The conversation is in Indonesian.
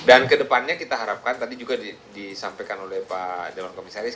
dan ke depannya kita harapkan tadi juga disampaikan oleh pak dewan komisaris